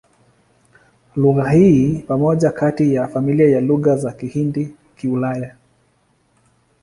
Lugha hii ni moja kati ya familia ya Lugha za Kihindi-Kiulaya.